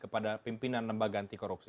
kepada pimpinan lembaga anti korupsi